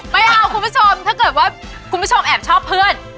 ไม่เอาคุณผู้ชมถ้าเกิดว่าคุณผู้ชมแอบชอบเพื่อน